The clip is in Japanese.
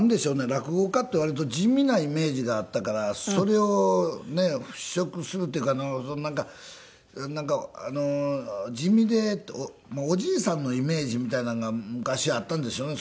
落語家って割と地味なイメージがあったからそれをねえ払拭するっていうかなんかなんかあの地味でおじいさんのイメージみたいなんが昔あったんでしょうね